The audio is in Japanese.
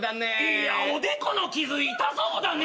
いや「おでこの傷痛そうだね」